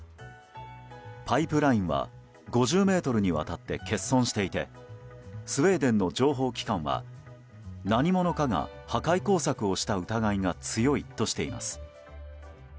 パイプラインは５０ｍにわたって欠損していてスウェーデンの情報機関は何者かが破壊工作をした疑いが強いとしています。